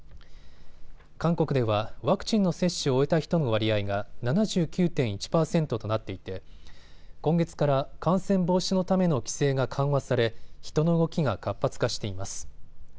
韓国ではワクチンの接種を終えた人の割合が７９．１％となっていて今月から感染防止のための規制が緩和され人の動きが活発化しています。